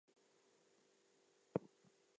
Entered service at.